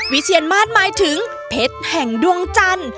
เทียนมาสหมายถึงเพชรแห่งดวงจันทร์